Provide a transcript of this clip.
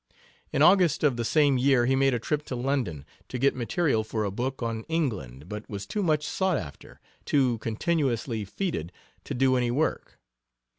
In August of the same year he made a trip to London, to get material for a book on England, but was too much sought after, too continuously feted, to do any work.